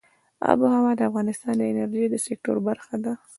آب وهوا د افغانستان د انرژۍ د سکتور برخه ده.